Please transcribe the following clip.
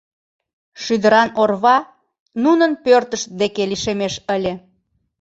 Шӱдыран орва нунын пӧртышт дек лишемеш ыле.